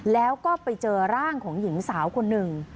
แล้วก็ไปเจอร่างของหญิงสาวคนหนึ่ง